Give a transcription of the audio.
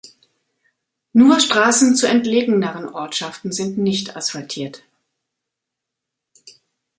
Nur Straßen zu entlegeneren Ortschaften sind nicht asphaltiert.